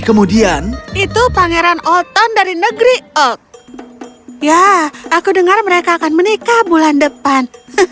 kemudian itu pangeran oton dari negeri oh ya aku dengar mereka akan menikah bulan depan